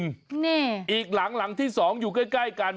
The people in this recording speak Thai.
นี่อีกหลังหลังที่สองอยู่ใกล้กัน